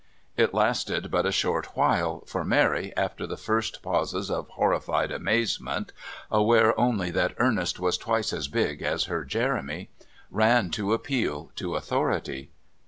It lasted but a short while, for Mary, after the first pause of horrified amazement (aware only that Ernest was twice as big as her Jeremy), ran to appeal to authority.